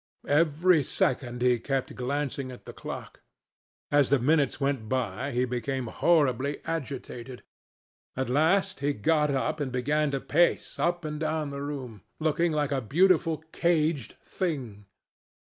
Every second he kept glancing at the clock. As the minutes went by he became horribly agitated. At last he got up and began to pace up and down the room, looking like a beautiful caged thing.